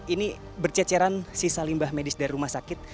ini berceceran sisa limbah medis dari rumah sakit